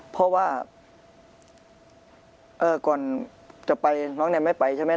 เพราะว่าก่อนจะไปน้องแนมไม่ไปใช่ไหม